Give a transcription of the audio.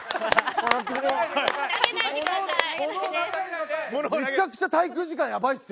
めちゃくちゃ滞空時間やばいですよ。